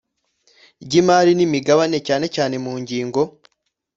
Ry imari n imigabane cyane cyane mu ngingo